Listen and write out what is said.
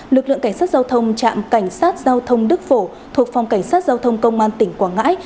lực lượng cảnh sát giao thông trạm cảnh sát giao thông đức phổ thuộc phòng cảnh sát giao thông công an tỉnh quảng ngãi